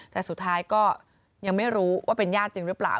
แต่สุดท้ายก็ยังไม่รู้ว่าเป็นญาติจริงหรือเปล่า